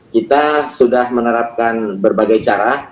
kita sudah menerapkan berbagai cara